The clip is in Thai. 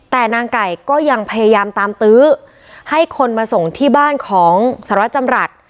แต่นางไก่ก็ยังพยายามตามตื้อให้คนมาส่งที่บ้านของสหรัฐจำรัฐ